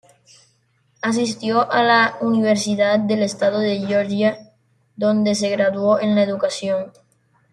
Asistió a la Universidad del Estado de Georgia, donde se graduó en la educación.